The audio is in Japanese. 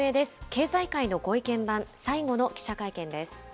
経済界のご意見番、最後の記者会見です。